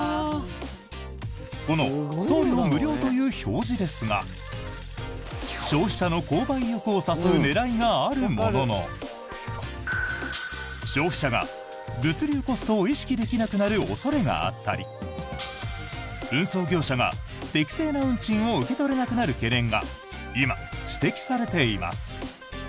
この送料無料という表示ですが消費者の購買意欲を誘う狙いがあるものの消費者が物流コストを意識できなくなる恐れがあったり運送業者が適正な運賃を受け取れなくなる懸念が今、指摘されています。